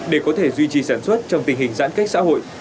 để có thể duy trì sản xuất trong tình hình giãn cách xã hội